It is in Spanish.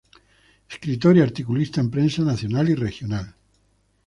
Escritor y articulista en prensa nacional y regional.